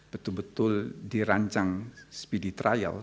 betul betul dirancang speed trial